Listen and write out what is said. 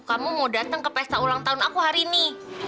kamu mau datang ke pesta ulang tahun aku hari ini